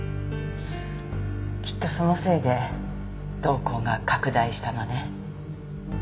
きっとそのせいで瞳孔が拡大したのね。